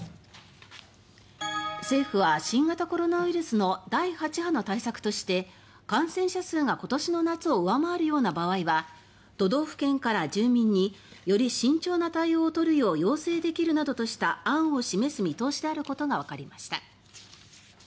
政府は新型コロナウイルスの第８波の対策として感染者数が今年の夏を上回るような場合は都道府県から住民により慎重な対応を取るよう要請できるなどとした案を示す見通しであることがわかりました。